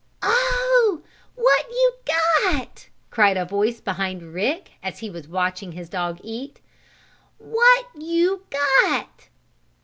"Oh, what you got?" cried a voice behind Rick, as he was watching his dog eat. "What you got?"